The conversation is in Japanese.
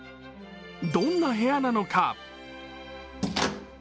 どんな部屋なのか？